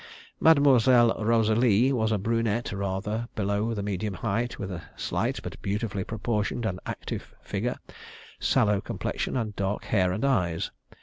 Mademoiselle Rosalie was a brunette rather below the medium height, with a slight but beautifully proportioned and active figure, sallow complexion, and dark hair and eyes.